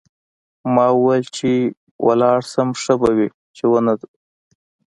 ما وویل چې ولاړ شم ښه به وي چې ونه ځم.